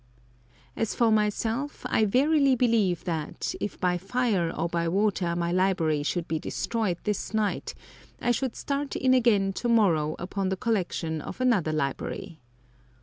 As for myself, I verily believe that, if by fire or by water my library should be destroyed this night, I should start in again to morrow upon the collection of another library.